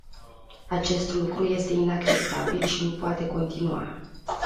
Acest lucru este inacceptabil și nu poate continua.